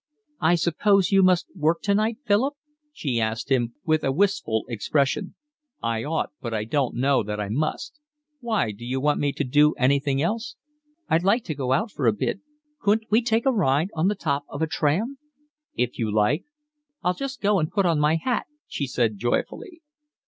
"I suppose you must work tonight, Philip?" she asked him, with a wistful expression. "I ought, but I don't know that I must. Why, d'you want me to do anything else?" "I'd like to go out for a bit. Couldn't we take a ride on the top of a tram?" "If you like." "I'll just go and put on my hat," she said joyfully.